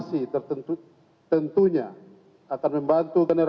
kita tetap ingin menganggarkan far nur